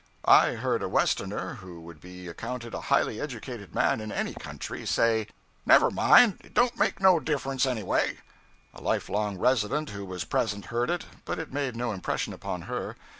I heard a Westerner who would be accounted a highly educated man in any country, say 'never mind, it don't make no difference, anyway.' A life long resident who was present heard it, but it made no impression upon her.